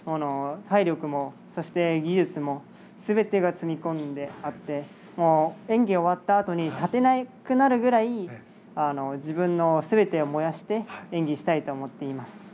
体力も技術も全てが詰み込んであって演技が終わったあとに立てなくなるぐらい自分の全てを燃やして演技したいと思っています。